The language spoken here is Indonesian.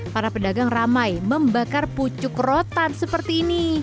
para pedagang ramai membakar pucuk rotan seperti ini